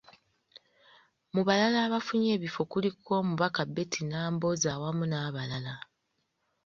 Mu balala abafunye ebifo kuliko; omubaka Betty Nambooze awamu n’abalala.